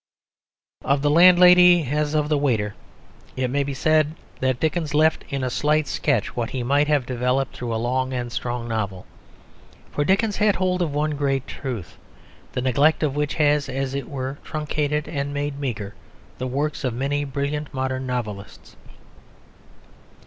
Of the landlady as of the waiter it may be said that Dickens left in a slight sketch what he might have developed through a long and strong novel. For Dickens had hold of one great truth, the neglect of which has, as it were, truncated and made meagre the work of many brilliant modern novelists.